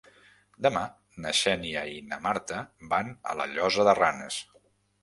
Demà na Xènia i na Marta van a la Llosa de Ranes.